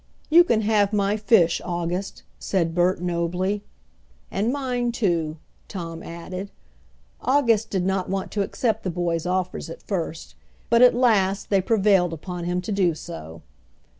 "You can have my fish, August," said Bert nobly. "And mine too," Tom added. August did not want to accept the boys' offers at first, but at last they prevailed upon him to do so.